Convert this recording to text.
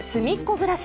ぐらし